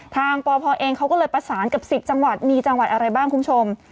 ปพเองเขาก็เลยประสานกับ๑๐จังหวัดมีจังหวัดอะไรบ้างคุณผู้ชม